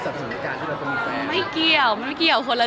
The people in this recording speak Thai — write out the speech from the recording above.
ก็คือก็คือไม่ได้ทะเลาะ